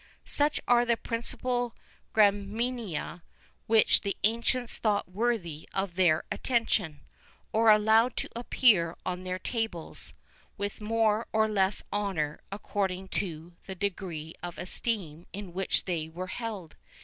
[V 30] Such are the principal graminea which the ancients thought worthy of their attention, or allowed to appear on their tables, with more or less honour according to the degree of esteem in which they were held.